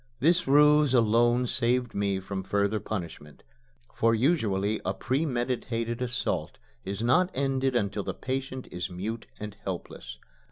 This ruse alone saved me from further punishment, for usually a premeditated assault is not ended until the patient is mute and helpless.